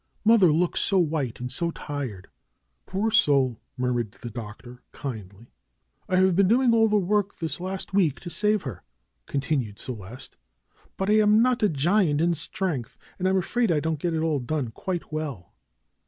Mother looks so white and so tired." "Poor soul!" murmured the Doctor, kindly. "I have been doing all the work this last week to save her," continued Celeste. "But I am not a giant in strength, and I'm afraid I don't get it all done quite well."